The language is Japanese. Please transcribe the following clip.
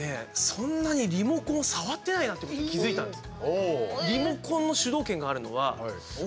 そんなにリモコン触ってないなっていうことに気付いたんです。